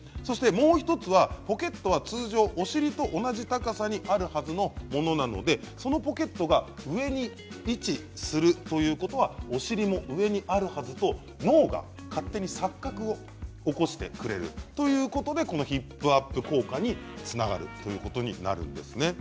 もう１つはポケットは通常お尻と同じ高さにあるはずのものなのでそのポケットが上に位置するということはお尻も上にあるはずと脳が勝手に錯覚を起こしてくれるということでこのヒップアップ効果につながるということになるんですね。